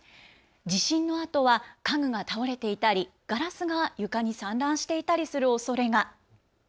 地震のあとは家具が倒れていたりガラスが床に散乱していたりするおそれが。